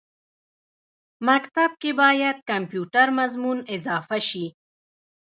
مکتب کښې باید کمپیوټر مضمون اضافه شي